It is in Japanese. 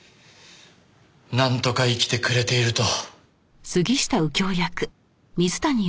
なんとか生きてくれていると。